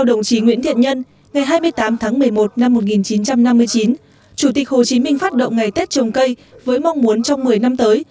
đồng chí nguyễn thiện nhân ngày hai mươi tám tháng một mươi một năm một nghìn chín trăm năm mươi chín chủ tịch hồ chí minh phát động ngày tết trồng cây với mong muốn trong một mươi năm tới